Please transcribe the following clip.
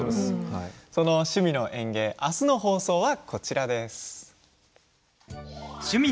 「趣味の園芸」明日の放送はこちらです。